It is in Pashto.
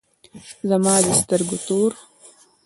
زما د سترگو تور